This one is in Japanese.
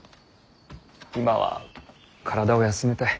今は体を休めたい。